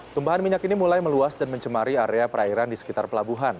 tumpahan minyak ini mulai meluas dan mencemari area perairan di sekitar pelabuhan